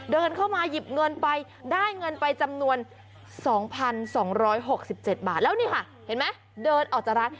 เดินเข้ามาหยิบเงินไปได้เงินไปจำนวน๒๒๖๗บาทแล้วนี่ค่ะเห็นไหมเดินออกจากร้าน